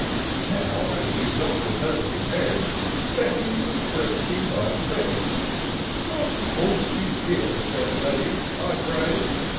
Now, as the Doctor turn'd his head, Betty was court'sying by the bed :—*' What brought you here, fair maid, I pray?"